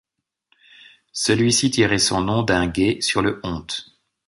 Celui- ci tirait son nom d'un gué sur le Honte.